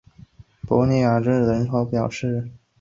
维耶尔济人口变化图示